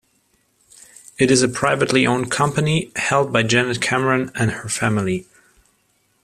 It is a privately owned company, held by Janet Cameron and her family.